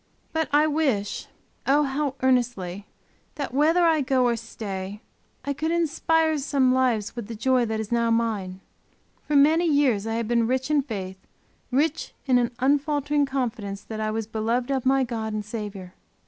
But I wish, oh how earnestly, that whether I go or stay, I could inspire some lives with the joy that is now mine. For many years I have been rich in faith; rich in an unfaltering confidence that I was beloved of my God and Saviour.